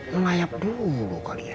mengayap dulu kali ya